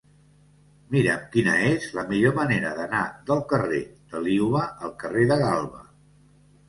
Mira'm quina és la millor manera d'anar del carrer de Liuva al carrer de Galba.